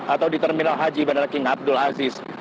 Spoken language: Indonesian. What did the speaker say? atau di terminal haji bandara king abdul aziz